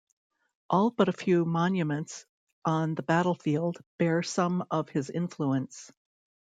All but a few monuments on the battlefield bear some of his influence.